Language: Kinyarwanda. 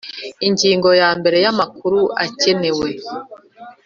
Ingingo ya mbere Amakuru akenewe